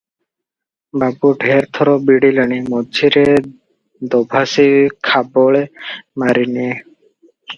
ବାବୁ ଢେର ଥର ବିଡ଼ିଲେଣି ମଝିରେ ଦୋଭାଷୀ ଖାବଳେ ମାରିନିଏ ।